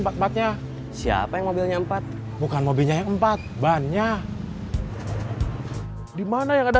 kalau es campur boleh gak